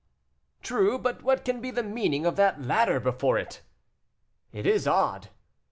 "True, but what can be the meaning of that ladder before it?" "It is odd."